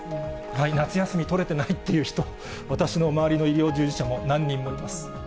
夏休み取れてないっていう人、私の周りの医療従事者も何人もいます。